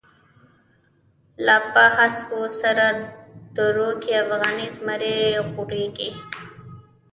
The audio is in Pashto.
لاپه هسکوسردروکی، افغانی زمری غوریږی